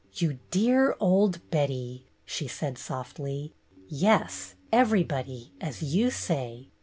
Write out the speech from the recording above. "You dear old Betty!'' she said softly. "Yes, everybody, as you say.